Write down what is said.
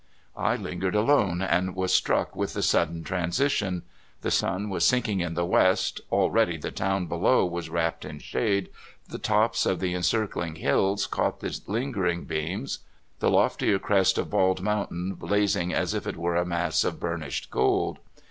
I lingered alone, and was struck with the sud den transition. The sun was sinking in the west, already the town below was wrapped in shade, the tops of the encircling hills caught the lingering beams, the loftier crest of Bald Mountain blazing as if it were a mass of burnished gold.